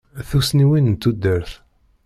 Tussniwin n tudert.